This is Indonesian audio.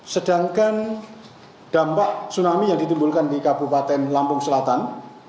sedangkan dampak tsunami yang ditimbulkan di kabupaten lampung selatan